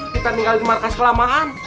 kita tinggal di markas kelamaan